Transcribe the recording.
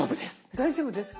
大丈夫ですか？